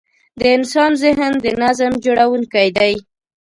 د انسان ذهن د نظم جوړوونکی دی.